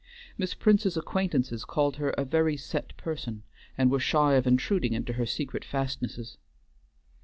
Miss Prince's acquaintances called her a very set person, and were shy of intruding into her secret fastnesses.